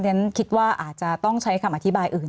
ฉันคิดว่าอาจจะต้องใช้คำอธิบายอื่น